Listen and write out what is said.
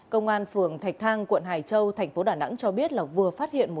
công an phường thạch thang quận hải châu thành phố đà nẵng cho biết là vừa phát hiện